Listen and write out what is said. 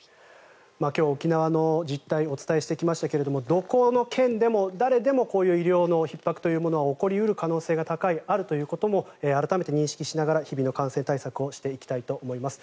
今日、沖縄の実態をお伝えしてきましたがどこの県でも誰でもこういう医療のひっ迫は起こる可能性があるということを改めて認識しながら日々の感染対策をしていただきたいと思います。